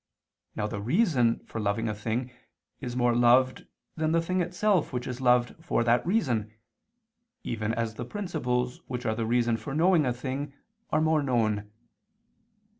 Now the reason for loving a thing is more loved than the thing itself which is loved for that reason, even as the principles which are the reason for knowing a thing are more known.